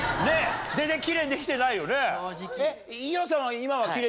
全然キレイにできてないよね？